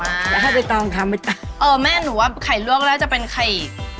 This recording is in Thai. ว้าวแล้วให้ไปต้องทำไปต่อเออแม่หนูว่าไข่ลวกแล้วจะเป็นไข่